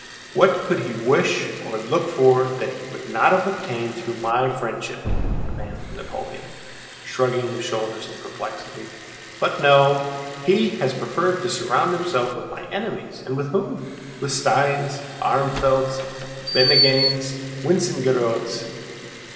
"What could he wish or look for that he would not have obtained through my friendship?" demanded Napoleon, shrugging his shoulders in perplexity. "But no, he has preferred to surround himself with my enemies, and with whom? With Steins, Armfeldts, Bennigsens, and Wintzingerodes!